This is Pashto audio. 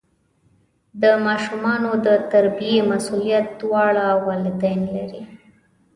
د ماشومانو د تربیې مسؤلیت دواړه والدین لري.